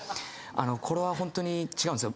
これはほんとに違うんですよ